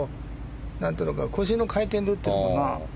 腰の回転で打ってるのかな。